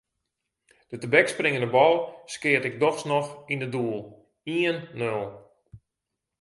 De tebekspringende bal skeat ik dochs noch yn it doel: ien-nul.